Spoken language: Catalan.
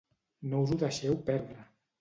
No us ho deixeu perdre!